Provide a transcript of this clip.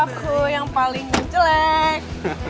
terima kasih kakakku yang paling menjelek